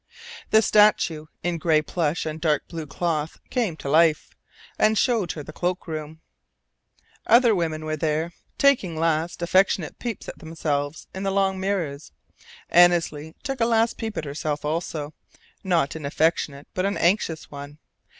The statue in gray plush and dark blue cloth came to life, and showed her the cloak room. Other women were there, taking last, affectionate peeps at themselves in the long mirrors. Annesley took a last peep at herself also, not an affectionate but an anxious one.